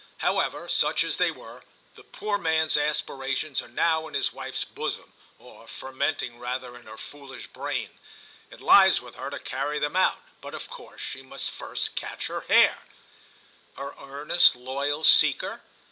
However, such as they were, the poor man's aspirations are now in his wife's bosom, or fermenting rather in her foolish brain: it lies with her to carry them out. But of course she must first catch her hare." "Her earnest loyal seeker?"